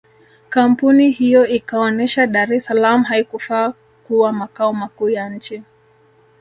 Kampuni hiyo ikaonesha Dar es salaam haikufaa kuwa makao makuu ya nchi